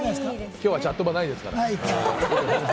きょうはチャットバないですから。